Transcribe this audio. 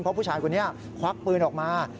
เพราะผู้ชายคนนี้ควักปืนออกมา